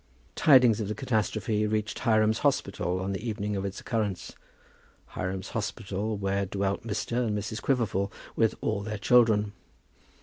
Tidings of the catastrophe reached Hiram's Hospital on the evening of its occurrence, Hiram's Hospital, where dwelt Mr. and Mrs. Quiverful with all their children.